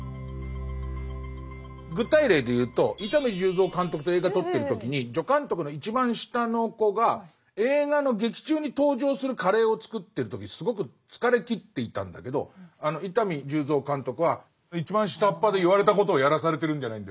具体例でいうと伊丹十三監督と映画撮ってる時に助監督の一番下の子が映画の劇中に登場するカレーを作ってる時すごく疲れきっていたんだけど伊丹十三監督は「一番下っ端で言われたことをやらされてるんじゃないんだよ。